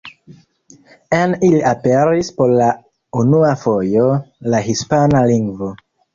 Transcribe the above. En ili aperis por la unua fojo la hispana lingvo.